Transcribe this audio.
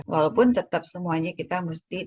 walaupun tetap semuanya kita mesti